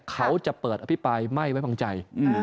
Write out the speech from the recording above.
เขาจะเปิดอภิปรายไม่ไว้วางใจ